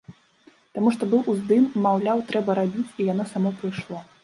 Таму што быў уздым, маўляў, трэба рабіць, і яно само прыйшло.